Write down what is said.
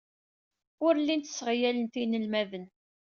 Ur llint sseɣyalent inelmaden.